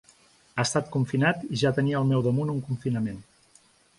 He estat confinat i ja tenia al meu damunt un confinament.